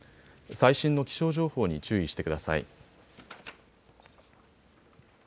最新の気象情報に注意してください。